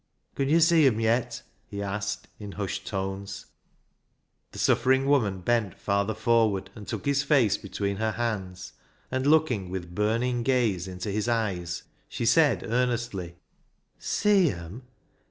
" Con yo' see 'em yet ?" he asked, in hushed tones. The suffering woman bent farther forward and took his face between her hands, and, 272 BECKSIDE LIGHTS looking with burning gaze into his eyes, she said earnestly —" See 'em